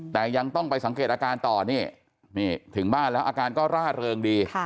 แต่ยังต้องไปสังเกตอาการต่อนี่นี่ถึงบ้านแล้วอาการก็ร่าเริงดี